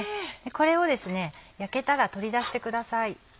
これを焼けたら取り出してください。